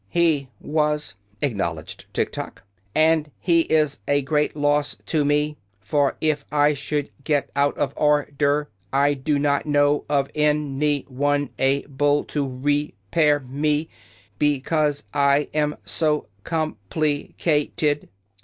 "He was," acknowledged Tiktok. "Also he is a great loss to me. For if I should get out of or der I do not know of an y one a ble to re pair me, be cause I am so com pli cat ed.